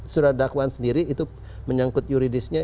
surat dakwaan sendiri itu menyangkut yuridisnya